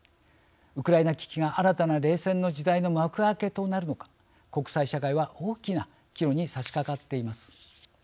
ウクライナ危機が新たな冷戦の時代の幕開けとなるのか国際社会は大きな岐路に差しかかっています。